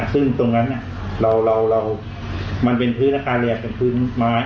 ซึ่งตรงนั้นเรามันเป็นพื้นอาการใหญ่ของพื้นไม้